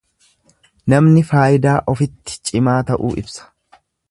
Namni faayidaa ofitti cimaa ta'uu ibsa.